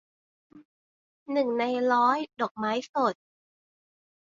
หนึ่งในร้อย - ดอกไม้สด